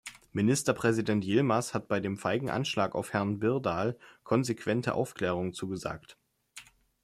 Ministerpräsident Yilmaz hat bei dem feigen Anschlag auf Herrn Birdal konsequente Aufklärung zugesagt.